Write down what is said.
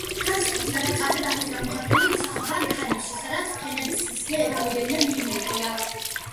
განსაკუთრებით კარგად არის გამოხატული თიხოვან ქანებში, სადაც ფენების სისქე რამდენიმე მილიმეტრია.